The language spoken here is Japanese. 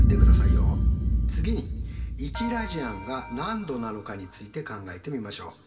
次に１ラジアンが何度なのかについて考えてみましょう。